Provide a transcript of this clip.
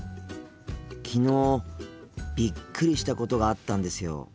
昨日びっくりしたことがあったんですよ。